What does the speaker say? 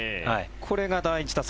これが第１打席。